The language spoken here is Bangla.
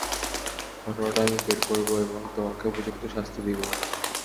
ঘটনাটা আমি বের করব, এবং তোমাকে উপযুক্ত শাস্তি দিব।